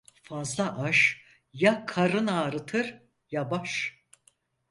Fazla aş, ya karın ağrıtır ya baş.